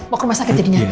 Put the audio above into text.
mau ke rumah sakit jadinya